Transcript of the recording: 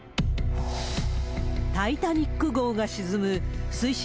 タイタニック号が沈む水深